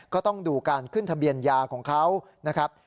ก็ต้องดูการขึ้นทะเบียนยาของเขานะครับ